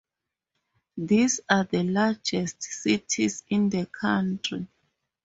These are the largest cities in the country.